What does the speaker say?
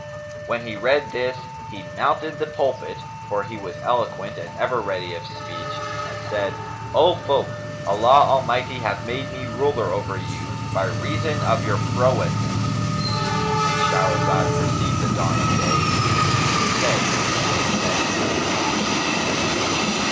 When he read this, he mounted the pulpit (for he was eloquent and ever ready of speech), and said, 'O folk, Allah Almighty hath made me ruler over you, by reason of your frowardness;'"—And Shahrazad perceived the dawn of day and ceased to say her permitted say.